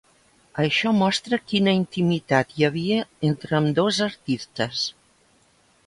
Això mostra quina intimitat hi havia entre ambdós artistes.